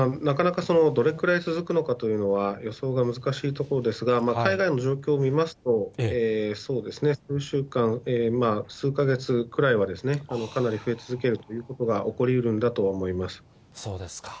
なかなかどれくらい続くのかというのは、予想が難しいところですが、海外の状況を見ますと、数週間、数か月くらいはかなり増え続けるということが起こりうるんだとは思います。